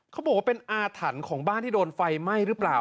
เขาบอกว่าเป็นอาถรรพ์ของบ้านที่โดนไฟไหม้หรือเปล่า